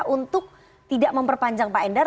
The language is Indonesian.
untuk tidak memperpanjang pak endar